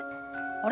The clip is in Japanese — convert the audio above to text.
あれ？